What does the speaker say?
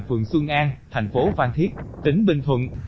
phường xuân an thành phố phan thiết tỉnh bình thuận